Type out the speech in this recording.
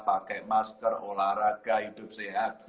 pakai masker olahraga hidup sehat